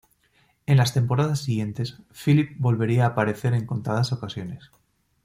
En las temporadas siguientes, Phillip volvería a aparecer en contadas ocasiones.